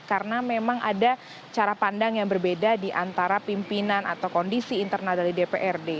karena memang ada cara pandang yang berbeda diantara pimpinan atau kondisi internal dari dprd